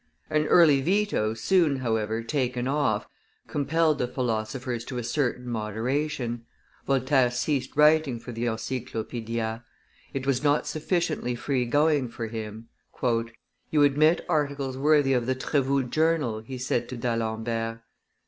An early veto, soon, however, taken off, compelled the philosophers to a certain moderation; Voltaire ceased writing for the Encyclopaedia; it was not sufficiently free going for him. "You admit articles worthy of the Trevoux journal," he said to D'Alembert.